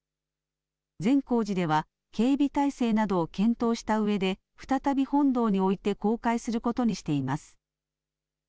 善光寺では警備体制などを検討したうえで再び本堂に置いて公開することにしています。